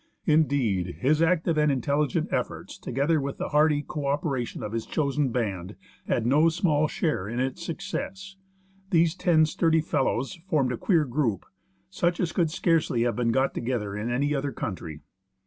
Indeed, his active and intelligent efforts, together with the hearty co operation of his chosen band, had no small share in its 68 THE MALASPINA GLACIER success. These ten sturdy fellows formed a queer group, such as could scarcely have been got together in any other country.